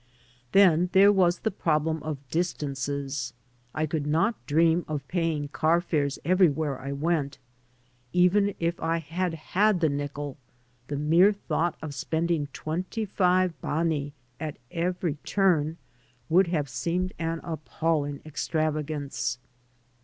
Then there was the problem of distances. I could ] not dream of paying car fares everywhere I went. Even if I had had the nickel, the mere thought of spending twenty five bani at every turn would have I seemed an appalling extravagance.